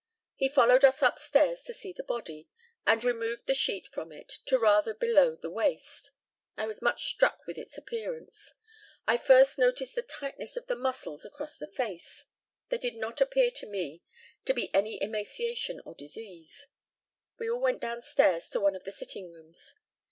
He followed us upstairs to see the body, and removed the sheet from it to rather below the waist. I was much struck with its appearance. I first noticed the tightness of the muscles across the face. There did not appear to me to be any emaciation or disease. We all went down stairs to one of the sitting rooms.